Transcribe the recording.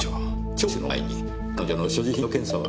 聴取の前に彼女の所持品の検査は？